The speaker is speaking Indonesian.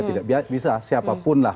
tidak bisa siapapun lah